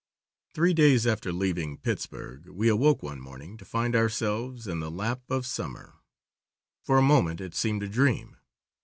Three days after leaving Pittsburgh we awoke one morning to find ourselves in the lap of summer. For a moment it seemed a dream.